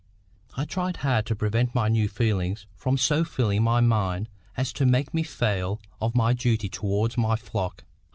I tried hard to prevent my new feelings from so filling my mind as to make me fail of my duty towards my flock.